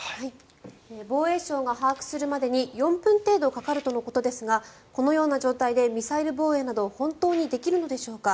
防衛省が把握するまでに４分程度かかるとのことですがこのような状態でミサイル防衛など本当にできるのでしょうか。